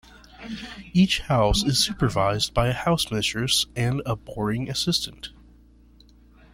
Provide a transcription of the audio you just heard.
Each house is supervised by a housemistress and a boarding assistant.